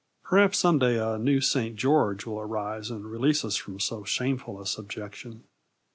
Perhaps some day a new St George will arise and release us from so shameful a subjection.